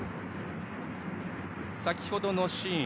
先ほどのシーン。